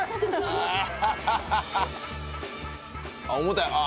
あっ重たいあ